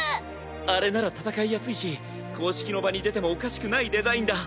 あれなら戦いやすいし公式の場に出てもおかしくないデザインだ。